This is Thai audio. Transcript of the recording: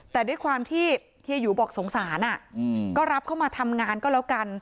แต่ด้วยความที่เฮียหยูบอกสงสารก็รับเข้ามาทำงานก็แล้วกัน